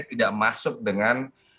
tidak masuk dengan